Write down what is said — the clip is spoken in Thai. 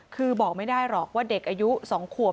คือบอกไม่ได้หรอกว่าเด็กอายุ๒ขวบ